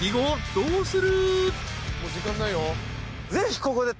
どうする？］